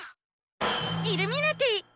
イルミナティ！